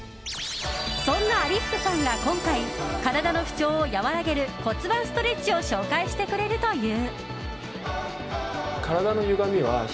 そんな有福さんが今回体の不調を和らげる骨盤ストレッチを紹介してくれるという。